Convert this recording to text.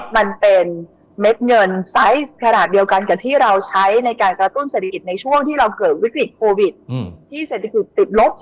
มันเป็นเม็ดเงินไซส์ขนาดเดียวกันกับที่เราใช้ในการกระตุ้นเศรษฐกิจในช่วงที่เราเกิดวิกฤตโควิดที่เศรษฐกิจติดลบ